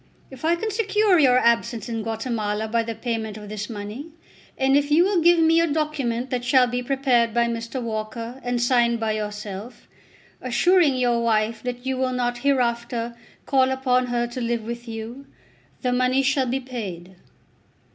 If I can secure your absence in Guatemala by the payment of this money, and if you will give me a document that shall be prepared by Mr. Walker and signed by yourself, assuring your wife that you will not hereafter call upon her to live with you, the money shall be paid."